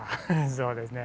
そうですね